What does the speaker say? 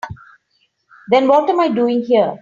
Then what am I doing here?